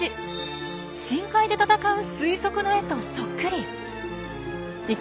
深海で闘う推測の絵とそっくり！